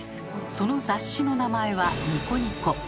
その雑誌の名前は「ニコニコ」。